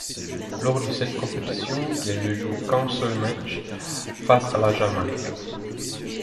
Lors de cette compétition, il ne joue qu'un seul match, face à la Jamaïque.